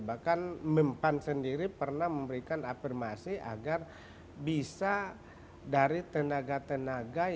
bahkan mempan sendiri pernah memberikan afirmasi agar bisa dari tenaga tenaga